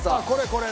これ！